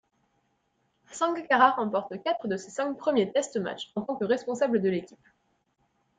Sangakkara remporte quatre de ses cinq premiers test-matchs en tant que responsable de l'équipe.